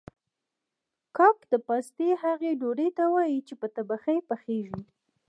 کاک د پاستي هغې ډوډۍ ته وايي چې په تبخي پخیږي